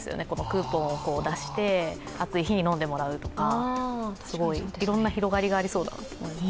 クーポンを出して暑い日に飲んでもらうとか、いろんな広がりがありそうな。